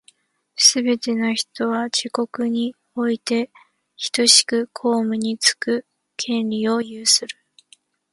すべて人は、自国においてひとしく公務につく権利を有する。